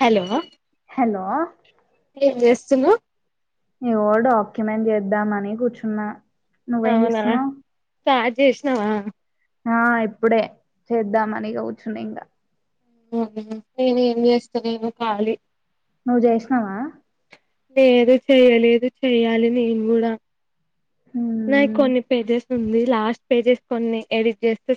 Hello hello ఏం చేస్తున్నావ్ ఏవో డాక్యుమెంట్ చేద్దామని కూర్చున్నా నువ్వేం అవునా చేస్తున్నా స్టార్ట్ చేసినావా ఆ ఇప్పుడే చేద్దామని ఇగ కూర్చున్నా ఇంగా నేను ఏం చేస్తలేను ఖాళీ నువ్వు జేషినావా లేదే చెయ్యలేదు చెయ్యాలి నేను కూడా నాయి మ్మ్ కొన్ని పేజెస్ ఉంది లాస్ట్ పేజెస్ కొన్ని ఎడిట్ చేస్తే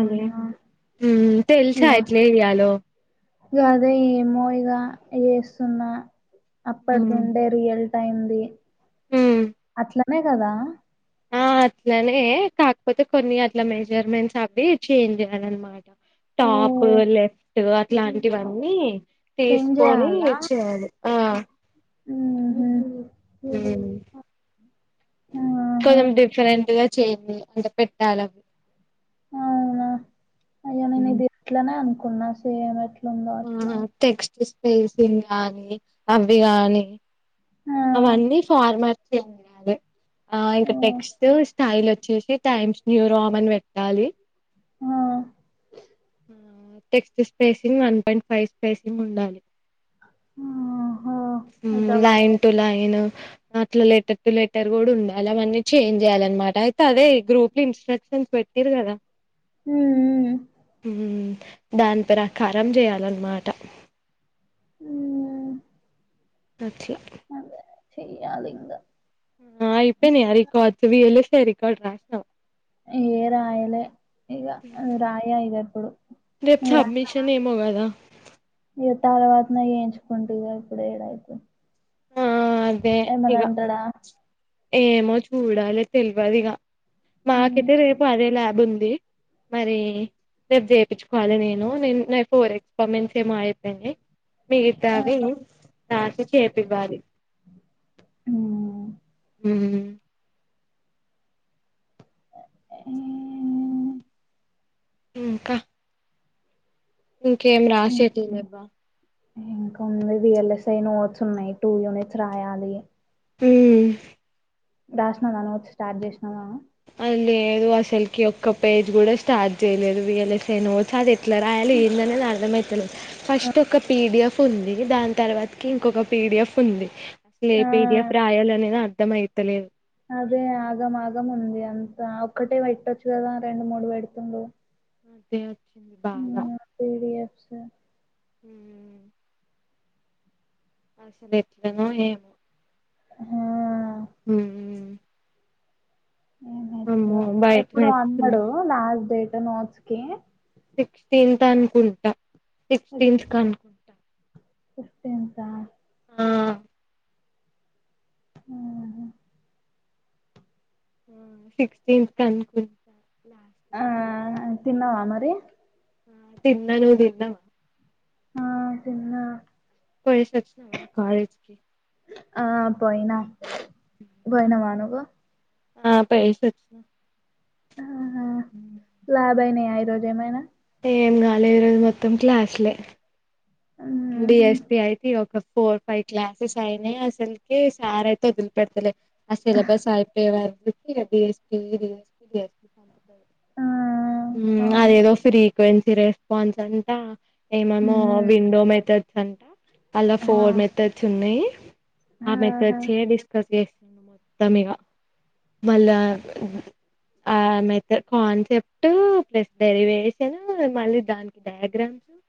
అదే తెలిసయిట్లే అ్యాలో అదే ఏమోవిగా చేస్తున్నా అప్పటిది ఉండే మ్మ్ రియల్టీ అయింది అట్లనే కదా ఆ అట్లనే కాకపోతే కొన్ని అట్ల మెజర్మెంట్స్ అవి చేంజ్ చేయాలి అనమాట ఓ టాప్ లెఫ్ట్ అట్లాంటివన్నీ చేంజ్ తీసుకొని చేయాలా చేయాలి ఆ మ్హు మ్మ్ ఆహా కొంచెం డిఫరెంట్ గా చే్యంది అంటే పెట్టాలివి అవునా అయ్యో నేను ఇది ఎట్లనే అనుకున్నా సేమ్ అంద వలా ఆ టెక్స్ట్ స్పేసింగ్ గానీ అవి కాగాని ఆ అవన్నీ ఫార్మాట్ అ ఆ ఓ ఇంకా టెక్స్ట్ స్టైల్ వచ్చేసి టైమ్స్ యూ రామ్న్ పెట్టాలి ఆ text spacing one point five spacing ఉండాలి ఆహా అయితే అవన్ ైన్ అట్ల లెటర్ టు లెటర్ కూడా ఉండాలి అవన్న చేం్ చేయాలన్నమాట అయితే అదే గ్రప్ ఇట్ క మ్మ్ [unintelligible] దాని ప్రకారం చేయాలన్నమాట ఆ అా అదే చెయాలికా అయిపోయినాయి ఆ రికార్డ్స్ వ వళస్తే రికార్డు రాసినవు ఏ రాయలే ఇ రాయ ఇదప్పుడు రేపు స అబ్మిషన్ ఏ మో ఇగ తర్వాతన ఏయించుకుంటుంది ఇప్పుడు ఏడైతే ఆ అదే ఇగ ఏమో చూడాలి తెల్వదు ఇగ మాకైతే రేపు అదే ల్యాబ్ ఉంది మరి రేపు చేపించుకోవాలి నేను నేను ఫోర్ ఎక్స్పరిమెన్ట్స్ ఏమో అయిపోయినాయి మిగతావి సార్ తో చేపివ్వాలి మ్మ్ హ్మ్ ఎ ఏ ఇంకా ఇంకేం రాసేటివి లెవ్వ ఇంకా ఉన్నది V L S I notes ఉన్నాయి టూ యూనిట్స్ రాయాలి మ్మ్ రాసిన నా నోట్స్ స్టార్ట్ చేసినావా అ లేదు అసలుకి ఒక్క పేజ్ కూడా స్టార్ట్ చేయలేదు వి ఎల్ ఎస్ ఏమో [unintelligible] అది ఎట్ల రాయ యాలి ఏంది అనేది అర్దమయితలే ఫస్ట్ ఒక పి డి ఎఫ్ ఉంది దాని తర్వాతకి ఇంకొక పిడిఎఫ్ ఉంది అసలు ఏ పీ డీ ఆ ఎఫ్ రాయాలనేది అర్థం అయితలేదు అదే ఆగం ఆగం ఉంది అంతా ఒక్కటే పెట్టొచ్చు కదా రెండు మూడు పెడుతుండు అదే వచ్చింది బాద స మ్మ్ అస్సలు ఎట్లనో ఏమో హా మ్మ్ అమ్మో [unintelligible] బయట ఎప్పుడు నేర్చుకున్నా. అన్నాడు లాస్ట్ డేట్ నోట్స్ కి సిక్స్టీన్త్ అనుకుంటా సిక్స్టీన్త్ అనుకుంటా సిక్టీంత్ ఆ ఆహా అబ్సిక్స్టీన్త్ అనుకుంటా లాస్ట్ ఆ డేట్ తిన్నావా మరి ఆ తిన్న నవ్వు తిన్నావా ఆ తిన్న పొయ్యేసి వచ్చినవా కాలేజ్ కి ఆ పోయినా పోయినవ నువ్వు ఆ పొయ్యేసొచ్చిన ఆహా ల్యాబ్ అయినయ ఈరోజు ఏమైనా ఏం కాలే ఈరోజు మొత్తం క్లాసు లే బి మ్మ్ఉహ్మ్ ఎస్ పి అయితే ఒక ఫోర్ ఫైవ్ క్లాసెస్ అయినాయి అసలుకి సార్ అయితే వదిలి పెడతలే ఆ సిలబస్ అయిపోయే వరకు [unintelligible] రెడీ [unintelligible] ఆ మ్మ్ అవును అదేదో ఫ్రీక్వెన్సీ రెస్పాన్స్ అంట ఏమేమో మ్మ్ విండో మెథడ్స్ అంట అలా ఆ ఫోర్ మెథడ్స్ ఉన్నాయి ఆ ఆహా మెథడ్స్ ఏ డిస్కస్ చేస్తాను మొత్తం ఇగ మళ్ళా ఆ మెథడ్ కాన్సెప్ట్ ప్లస్ డెరివేషన్ మళ్ళీ దానికి డైగ్రామ్ గ్రామ్స్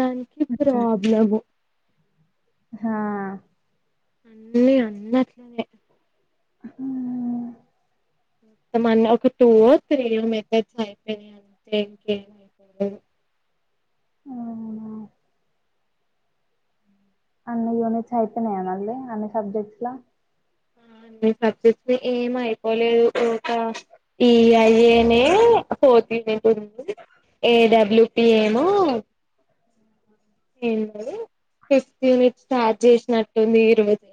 దానికి మ్మ్. ప్రాబ్లం హా అన్ని అన్న అట్లనేే ఆ హా మొత్తం అన్న ఒక టూ ఓ త్రీ ఓ మెథడ్స్ అయిపోయినాయి అంతే ఇంకేం అయిపోలే [unintelligible] అవున అన్ని యూనిట్స్ అయిపోనాయా మళ్ళీ అన్ని సబ్జెక్ట్స్ లో నే సబ్జెక్ట్స్ ని ఏం అయిపోలేదు కా ఈ అయ్యేనే పోతనేట్ ఉంది [inaudible] ఏడబ్ల్యూపి ఏమో ఏది ఫిఫ్త్ యూనిట్ స్టార్ట్ చేసినట్టుంది ఇ రోజు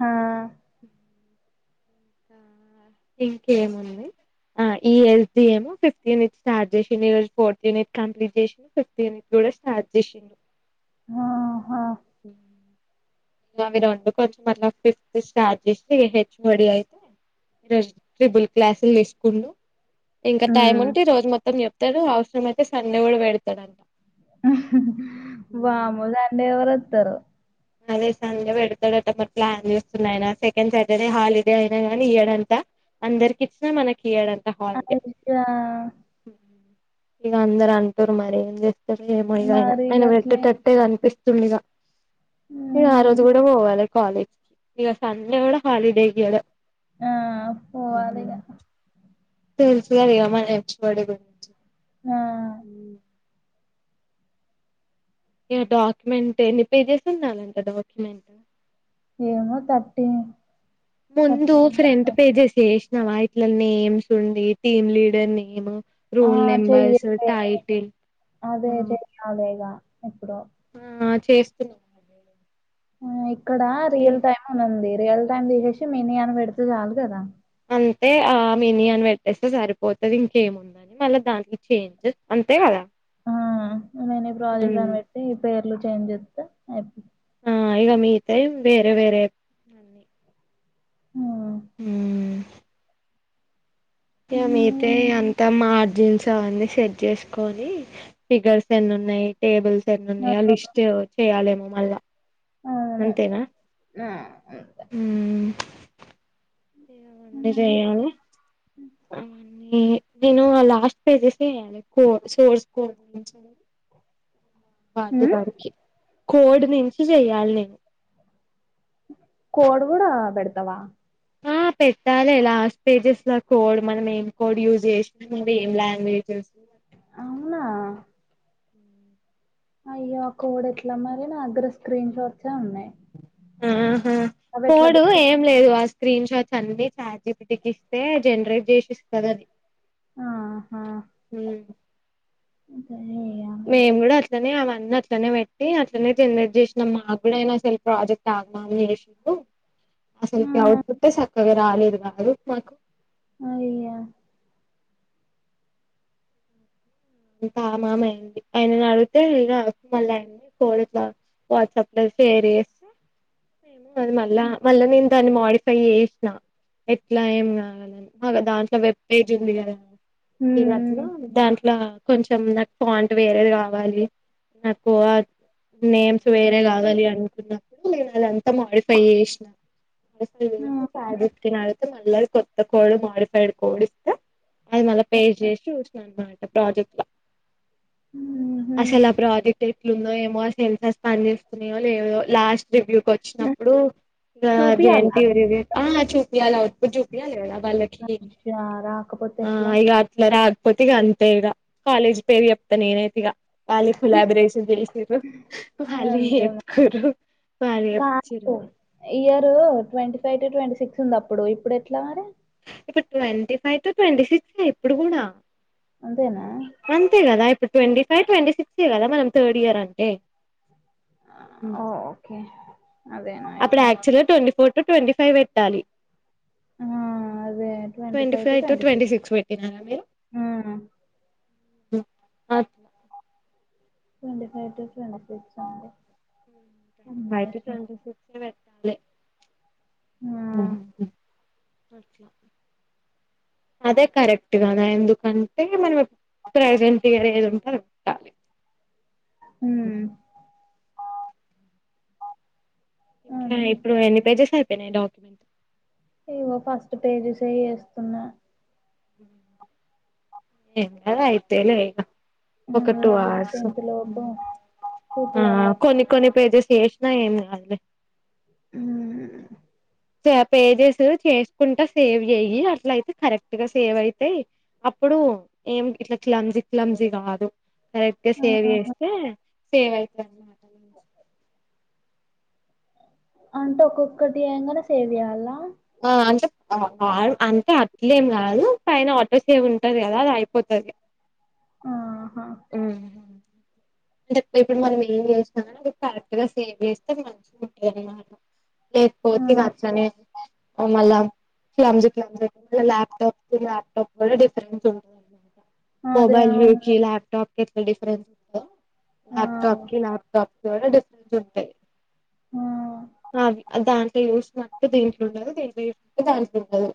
హా ఇంకేముంది ఆ ఈ ఎస్డీ ఫిఫ్త్ యూనిట్ స్టార్ట్ చేసి ఈ రోజు ఫోర్త్ యూనిట్ కంప్లీట్ చేసి ఫిఫ్త్ యూనిట్ కూడా స్టార్ట్ చేసిండు ఆహా ఇంకా అవి రెండు కొంచెం మళ్ళ ఫిఫ్త్ స్టార్ట్ చేస్త హెచ్ ఓ డి అయితే ఈరోజు ట్రిబుల్ క్లాసులు తీసుకుండు ఇంకా టైం ఉమ్ ఉంటే రోజు మొత్తం చెప్తాడు అవసరం అయితే సండే కూడా పెడతాడుంట వామ్మో సండే ఎవరువస్తారు అదే సండే పెడతాడంట మరి ప్లాన్ చేస్తున్నాయన సెకండ్ సాటర్డే హాలిడే అయినా గానీ ఈయడంతా అందరికి ఇచ్చిన మనకియాదంట అయ్యా ఇక అందరు అంటారు మరి ఏం చేస్తారు ఏమో ఇక ఆన మరి ఆయన పెట్టేటట్టే గట్లేంటి కనిపిస్తుండ ఇక ఇంకా ఆ రోజు ఉమ్ కూడా పోవాలి కాలేజ్ కి ఇక సండే కూడా హాలిడే ఇయ్యాడు ఆ ఉమ్ పోవాలిగా తెలుసుకదా మనం హెచ్ ఓ డి గురించి ఆ ఇక డాక్యుమెంట్ ఎన్ని పేజెస్ ఉండాలంట డాక్యుమెంట్ ఏమో థర్టీ ముందు థర్టీ ఫ్రెంట్ పేజెస్ ఏసీ ఇట్ల నేమ్స్ ఉంది టీమ్ లీడర్ నేమ్ ఆ రోల్నంబర్స్ చెయ్యలే టైటిల్ అదే చెయ్యాలే ఇగ ఇప్పుడు ఆ చేస్తున్నాను ఆ ఇక్కడ రియల్ టైమ్ ఉంది రియల్ టైమ్ తీసేసి మిని అని పెడితే చాలు కదా అంటే ఆ మిని అని పెట్టేస్తే సరిపోతుంది ఇంకేముందని మళ్ళీ దానికి చేంజ్ అంతే కదా ఆ నేను ఈ ప్రాజెక్ట్ కని హ్మ్. పెట్టి పేర్లు చేంజ్ చేస్తా అయి ఆ ఇకా మీతే వేరే వేరేన్న అవును ఇగ మీయితే ఎంత మ జీన్స్ అవన్నీ సెట్ చేసుకొని ఫిగర్స్ ఎన్ని ఉన్నాయి టేబుల్స్ ఎన్ ఉన్నాయా లిస్ట్ చేయాలేమో మళ్ళా ఆ, అంతేనా అంతే. హా మండే చేయాల [inaudible] ఏ నేను ఆ లాస్ట్ పేజెస్ వయాలి కో సోర్స్ కో వాటి ఉమ్ వారికి కోడ్ నుంచి చెయ్యాలి నేను కోడ్ కూడా పెడతావా ఆ పెట్టాలి లాస్ట్ పేజెస్ లో కోడ్ మనం ఏం కోడ్ యూజ్ చేసినా మన ఏం లాంగ్వేజెస్ అవునా అయ్యో ఆ కోడ్ ఎట్లా మరి నా దగ్గర స్క్రీన్ షాట్స్ ఉన్నాయి ఆహా అవి ఎట్లా కోడు పెట్ట ఏం లేదు వాస్త స్క్రీన్ షాట్స్ అన్ని ఛార్జిపీటిిగిస్తే జనరేట్ చేసిస్తుంది అది హ అకే మేము కూడా అట్లనే అవాల అట్లనే పెట్టి అట్లనే జనేట్ చేసినా మాకుడయినా అసలు ప్రాజెక్ట్ ఆగమా అని చేసిడు అసలుకి ఔట్పుట్ చక్కగా రాలేదు కాదు మాకు అ అయ్యా [inaudible] [unintelligible] షేర్స్ మళ్ళా మళ్ళా నేను దాన్ని మాడిఫై చేసిన ఎట్లా ఏం కావాలని మా దాంట్లో వెబ్ పేజ్ ఉంది కదా ఇగా అట్లు ఉమ్ దాంట్లో కొంచెం నాకు ప్యాంటు వేరేది కావాలి నాకు నేమ్స్ వేరే కావాలి అనుకున్నప్పుడు నేను అదంతా మాడిఫై చేసినా మొత్తం వేసి సాగినట్డు ఉంటే కొత్తది వేసినా కోడ్ ఇస్తే అది మళ్ళ పే చేసి చేసిన అన్నమాట ప్రాజెక్ట్ లో ఉహు అసలు ఆ ప్రాజెక్ట్ ఎట్లుందో ఏమో అసల్కి పని చేేస్తున్నాయో లేదో లాస్ట్ రివ్యూకు వచ్చినప్పుడు ఇగ చూపియాలా ఏంటి రివ్యూ ఆ చూపించాలి అటు చూపించాలి కదా వాళ్ళకి వచ్చారా ఆ ఇగా అట్ల రాకపోతే అంతే ఇగ కాలేజ్ పేరు చేప్తా నేనైతే ఇగా కాలి కిలాబు రేషన్ చేసిన్రు వాళ్ళు అంతే ఎత్తుకొరు పాలియ అచ్చారు కాదు year twenty five to twenty six ఉంది అప్పుడు ఇప్పుడు ఎట్లా మరి ఇప్పుడు twenty five to twenty six ఇప్పుడు కూడా అంతేనా అంతే కదా ఇప్పుడు ట్వంటీ ఫైవ్ ట్వంటీ సిక్స్ ఏ కదా మనం థర్డ్ ఇయర్ అంటే ఓ [unintelligible] అప్పుడు అయితే యాక్చువల్గా twenty four to twenty five పెట్టాలి ఆ twenty five to twenty six పెట్టినారా మీరు ఆ అ ప్ twenty five to twenty six అంతే twenty five to twenty six ఏ పెట్టలే ఆ హా హ్ అదే కరెక్ట్ కదా ఎందుకంటే మనం ప్రెజెంట్గా ఏది ఉంటే అది పెట్టాలి [inaudible] మ్మ్ హ్ ఇంకా ఇప్పుడు అంతే ఎన్ని పేజెస్ అయిపోయినయ్ డాక్యుమెంట్ ఇగో ఫస్ట్ పేజెస్ యే చేేస్తున్నా ఎక్కడా అయితయ్ లే ఇగా ఒక అదే టూ అవర్స్ ఫిఫ్టీన్త్ లోపు ఆ చూపియాలట కొన్ని కొన్ని పేజెస్ అయినా ఏం కాదులే హు మ్ పేజెస్ చేసుకుంటా సేవ్ చెయ్యి అట్ల అయితే కరెక్ట్ గా సేవ్ అయితయ్ అప్పుడు ఇప్పుడు ఏం ఇట్లా క్లమ్జి క్లమ్జీ కాదు కరెక్ట్ గా సేవ్ ఆహా చేస్తే సేవ్ అవుతది అంటే ఒక్కొక్కటి చేయగానే సేవ్ చేయాలా ఆ అంటే ఆ అంటే అట్లేం కాదు పైన ఆటో సేవ్ ఉంటది కదా అది అయిపోతది ఆ ఉమ్ అంటే ఇప్పుడు మనం ఏం చేసిన అది కరెక్ట్ గా సేవ్ చేస్తే మంచిగా ఉంటదన్నమాట చేసుకోవచ్చు ఆ ఇగా అట్లనే ఓ మళ్ళా క్లమ్జి క్లంజ ల్యాప్టాప్ ల్యాప్టాప్ కూడా డిఫరెన్స్ ఉంటదన్నమాట అదే మోబైల్ అవును కి లాప్టాప్ ఎట్లా డిఫరెన్స్ ఉంటయో ఆ ల్యాప్టాప్ కి ల్యాప్టాప్ కి కూడా డిఫరెన్స్ ఉంటాయి ఆ అది దాంట్లో చూసినట్టు దీంట్లో ఉండదు దీంట్లో చూసినట్టు దాంట్లో ఉండదు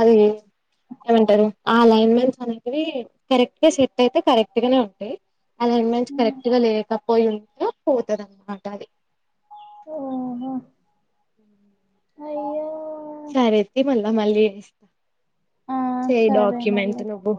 అది ఏమంటారు ఆ అలైన్మెంట్స్ అనేవి కరెక్ట్ గా సెట్ అయితే కరెక్ట్ గానే ఉంటాయి అలైన్మెంట్స్ ఆ. కరెక్ట్ గా లేకపోయి ఉంటే పోతదన్నమాట అది ఓహో అయ్యో సరే అయితే మళ్ళా మళ్ళీ చేస్తా ఆ చేయి సరే మళ్ళీ డాక్యుమెంట్ నువ్వు